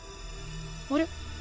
あれ？